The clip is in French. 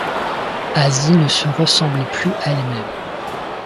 Asie ne se ressemblait plus à elle-même.